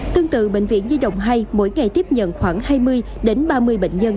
tương tự bệnh viện di động hai mỗi ngày tiếp nhận khoảng hai mươi đến ba mươi bệnh nhân